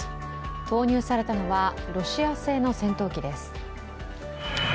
投入されたのはロシア製の戦闘機です。